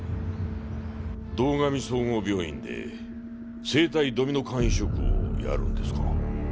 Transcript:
堂上総合病院で生体ドミノ肝移植をやるんですか？